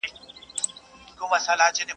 ولي پردۍ مینې ته لېږو د جهاني غزل.